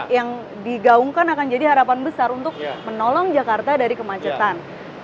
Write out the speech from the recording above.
yang digaungkan akan jadi harapan besar untuk menolong jakarta dari kemacetan